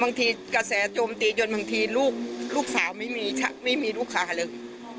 กระแสโจมตีจนบางทีลูกสาวไม่มีไม่มีลูกค้าเลย